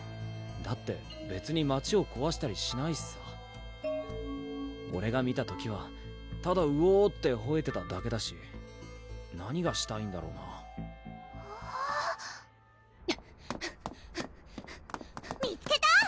だって別に街をこわしたりしないしさオレが見た時はただ「うお」ってほえてただけだし何がしたいんだろうな見つけたぁ！